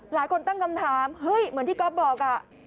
หลายคนตั้งคำถามเฮ้ยเหมือนที่ก๊อฟบอก